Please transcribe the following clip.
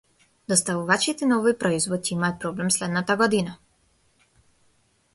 Доставувачите на овој производ ќе имаат проблем следната година.